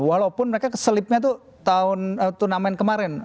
walaupun mereka selipnya tuh turnamen kemarin